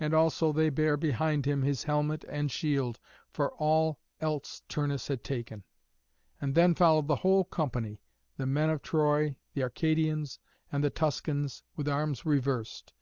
And also they bare behind him his helmet and shield, for all else Turnus had taken; and then followed the whole company, the men of Troy, the Arcadians, and the Tuscans, with arms reversed.